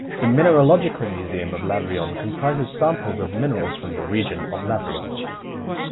The Mineralogical Museum of Lavrion comprises samples of minerals from the region of Lavrion.